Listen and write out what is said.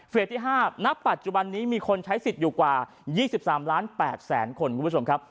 ที่๕ณปัจจุบันนี้มีคนใช้สิทธิ์อยู่กว่า๒๓ล้าน๘แสนคนคุณผู้ชมครับ